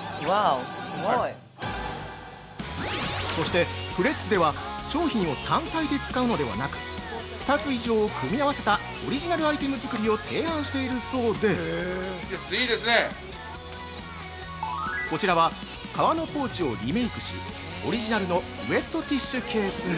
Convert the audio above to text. ＷＯＷすごい！◆そして、フレッツでは商品を単体で使うのではなく２つ以上を組み合わせたオリジナルアイテム作りを提案しているそうで◆こちらは、革のポーチをリメイクしオリジナルのウエットティッシュケースに！